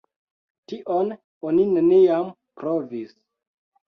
Tion oni neniam provis.